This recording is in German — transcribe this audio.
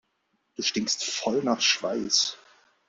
Du stinkst voll nach Schweiß.